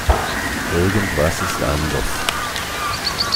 Irgendwas ist anders.